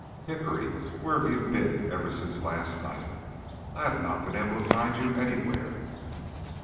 "Hickory, where have you been ever since last night? I have not been able to find you anywhere."